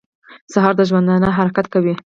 سهار د ژوندانه حرکت کوي.